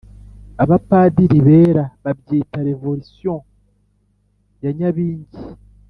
abapadiri bera babyita revolusiyo ya nyabingi.